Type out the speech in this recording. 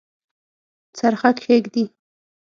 څرخه کښیږدي